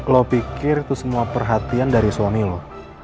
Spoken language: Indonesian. lo pikir itu semua perhatian dari suami lo